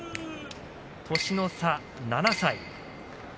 年の差は７歳。